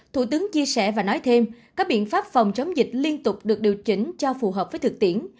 thủ tướng chia sẻ và nói thêm các biện pháp phòng chống dịch liên tục được điều chỉnh cho phù hợp với thực tiễn